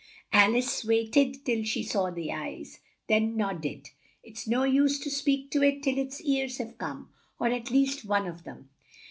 Al ice wait ed till she saw the eyes, then nod ded. "It's no use to speak to it till its ears have come, or at least one of them."